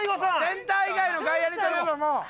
センター以外の外野に飛べば。